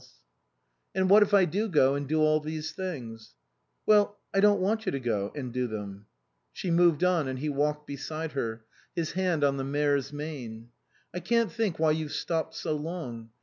69 THE COSMOPOLITAN " And what if I do go and do all these things ?"" Well, I don't want you to go and do them." She moved on, and he walked beside her, his hand on the mare's mane. " I can't think why you've stopped so long.